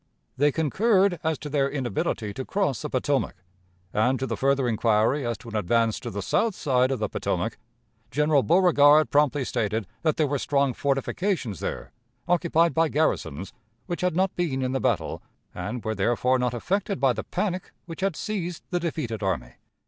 They concurred as to their inability to cross the Potomac, and to the further inquiry as to an advance to the south side of the Potomac, General Beauregard promptly stated that there were strong fortifications there, occupied by garrisons, which had not been in the battle, and were therefore not affected by the panic which had seized the defeated army.